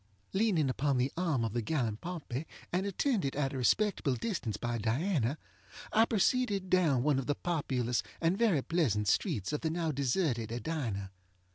Leaning upon the arm of the gallant Pompey, and attended at a respectable distance by Diana, I proceeded down one of the populous and very pleasant streets of the now deserted Edina.